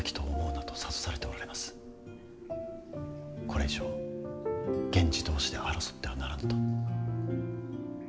これ以上源氏同士で争ってはならぬと。